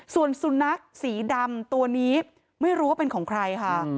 ส่วนสุนัขสีดำตัวนี้ไม่รู้ว่าเป็นของใครค่ะ